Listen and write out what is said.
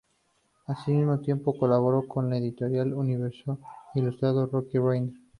Al mismo tiempo, colaboró con la editorial Universo, ilustrando "Rocky Rider".